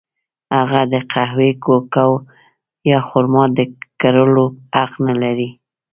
هغه د قهوې، کوکو یا خرما د کرلو حق نه لري.